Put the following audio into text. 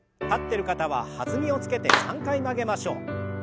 立ってる方は弾みをつけて３回曲げましょう。